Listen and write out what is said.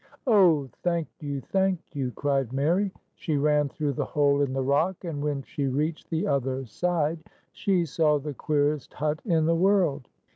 "Oh, thank you! Thank you!" cried Mary. She ran through the hole in the rock, and when she reached the other side, she saw the queerest hut in the world.